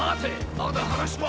まだ話は。